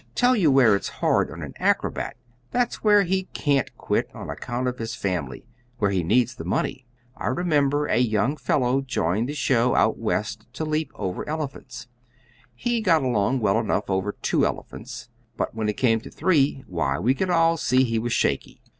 "Tell you where it's hard on an acrobat," put in Zorella "that's where he can't quit on account of his family where he needs the money. I remember a young fellow joined the show out west to leap over elephants. He got along well enough over two elephants, but when it came to three, why, we could all see he was shaky.